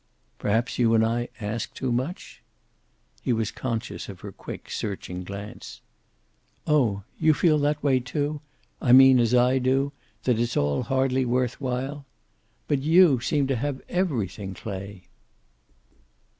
"Perhaps you and I ask too much?" He was conscious of her quick, searching glance. "Oh! You feel that way, too? I mean as I do, that it's all hardly worth while? But you seem to have everything, Clay."